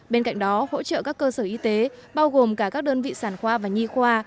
bên cạnh đó hỗ trợ các cơ sở y tế bao gồm cả các đơn vị sản khoa và nhi khoa